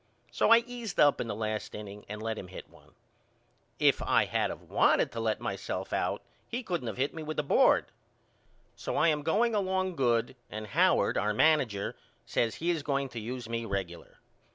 So I eased up in the last inning and let him hit one. If I had of wanted to let myself out he couldn't of hit me with a board. So I am going along good and Howard our manager says he is going to use me regular.